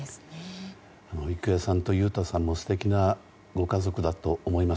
郁恵さんと裕太さんも素敵なご家族だと思います。